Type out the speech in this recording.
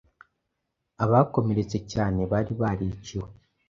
Abakomeretse cyane bari bariciwe